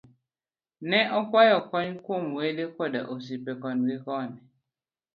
Ne okwayo kony kuom wede koda osiepe koni gikocha